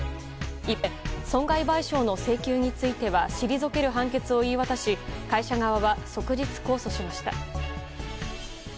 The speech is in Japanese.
一方で損害賠償の請求については退ける判決を言い渡し会社側は即日控訴しました。